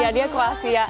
iya dia kruasia